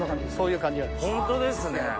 ホントですね。